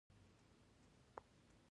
حمزه بابا دا هسې نه وييل